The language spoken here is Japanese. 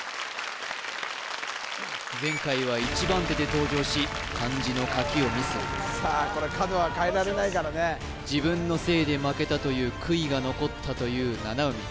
前回は１番手で登場し漢字の書きをミス角はかえられないからね自分のせいで負けたという悔いが残ったという七海